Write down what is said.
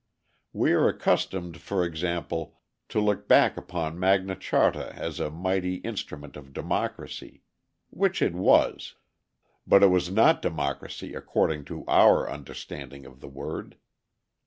We are accustomed for example, to look back upon Magna Charta as a mighty instrument of democracy; which it was; but it was not democracy according to our understanding of the word.